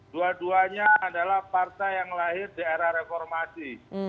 dua duanya adalah partai yang lahir di era reformasi